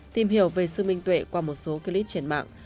tìm hiểu về sự minh tuệ qua một số clip trên mạng